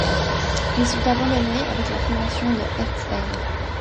Ils sont abandonnés avec la fondation de Herzberg.